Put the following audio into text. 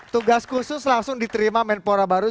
tugas khusus langsung diterima menpora baru